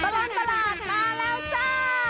ตลอดตลาดมาแล้วจ้า